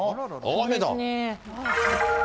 雨だ。